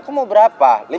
kau mau berapa